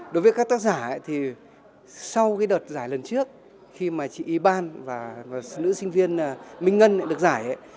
đối với các tác giả thì sau cái đợt giải lần trước khi mà chị y ban và nữ sinh viên minh ngân được giải